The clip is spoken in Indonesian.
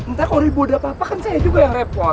ntar kalau ribut apa apa kan saya juga yang repot